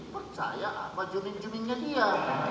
percaya apa jumin juminnya dia